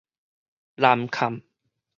南崁